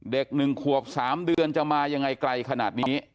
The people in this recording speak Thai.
๑ขวบ๓เดือนจะมายังไงไกลขนาดนี้